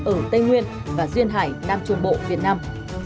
ở tây nguyên và duyên hải nam trung bộ việt nam